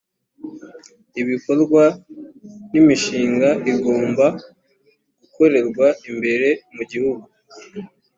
ibikorwa n imishinga igomba gukorerwa imbere mu gihugu